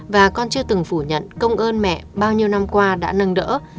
và con chưa từng phủ nhận công ơn mẹ bao nhiêu năm qua đã nâng đỡ